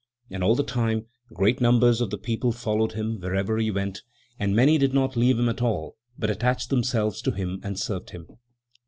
And all the time great numbers of the people followed him wherever he went, and many did not leave him at all, but attached themselves to him and served him.